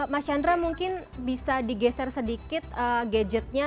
mas chandra mungkin bisa digeser sedikit gadgetnya